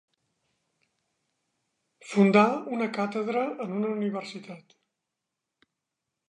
Fundar una càtedra en una universitat.